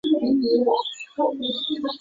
鸥嘴噪鸥为鸥科噪鸥属的鸟类。